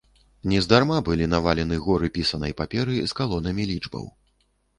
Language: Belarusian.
Нездарма былі навалены горы пісанай паперы з калонамі лічбаў.